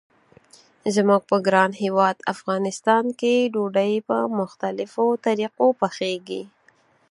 زموږ په ګران هیواد افغانستان کې ډوډۍ په مختلفو طریقو پخیږي.